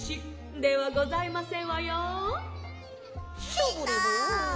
ショボレボン。